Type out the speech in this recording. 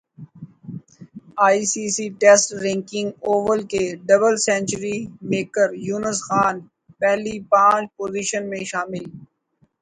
ئی C C test ranking Oval کے double century میکریونس خان پہلی پانچ پوزیشن میں شامل